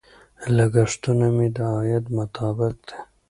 لګښتونه مې د عاید مطابق دي.